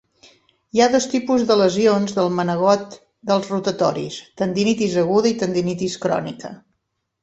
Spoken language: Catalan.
Hi ha dos tipus de lesions del manegot dels rotatoris: tendinitis aguda i tendinitis crònica.